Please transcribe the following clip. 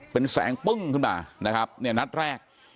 เป็นแสงปึ้งขึ้นมานะครับเนี่ยนัดแรก